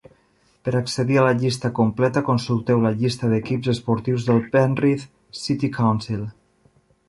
Per accedir a la llista completa, consulteu la llista d'equips esportius del Penrith City Council.